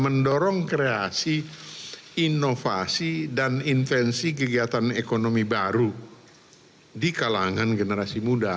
mendorong kreasi inovasi dan invensi kegiatan ekonomi baru di kalangan generasi muda